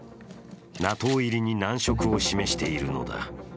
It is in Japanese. ＮＡＴＯ入りに難色を示しているのだ。